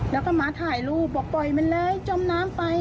แล้วก็มาถ่ายรูปบอกปล่อยมันเลยจมน้ำไป